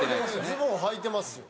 ズボンはいてますよ。